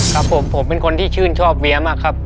ครับผมผมเป็นคนที่ชื่นชอบเมียมากครับ